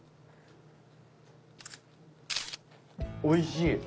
おいしい。